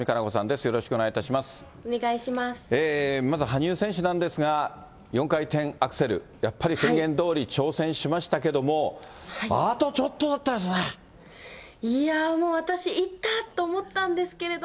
まず羽生選手なんですが、４回転アクセル、やっぱり宣言どおり、挑戦しましたけども、あとちょっとだったですね。